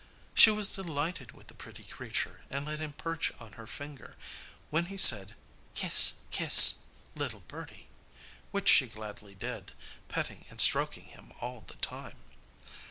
She was delighted with the pretty creature, and let him perch on her finger, when he said, 'Kiss, kiss, little birdie,' which she gladly did, petting and stroking him at the same time.